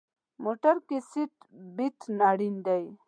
موټر کې سیټ بیلټ اړین دی.